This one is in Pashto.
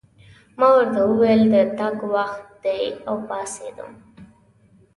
ما ورته وویل: د تګ وخت دی، او پاڅېدم.